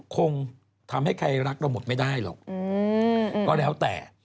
คงทำให้ใครรักเราหมดไม่ได้หรอกก็แล้วแต่